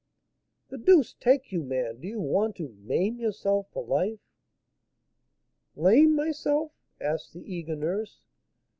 "The deuce take you, man! Do you want to maim yourself for life?" "Lame myself?" asked the eager nurse.